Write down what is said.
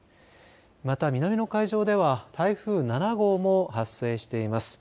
また、南の海上では台風７号も発生しています。